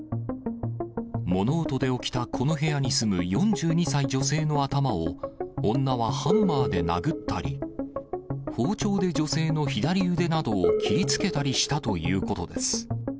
物音で起きたこの部屋に住む４２歳女性の頭を、女はハンマーで殴ったり、包丁で女性の左腕などを切りつけたりしたということです。